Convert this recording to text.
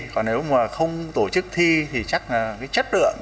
còn nếu mà không tổ chức thi thì chắc là cái chất lượng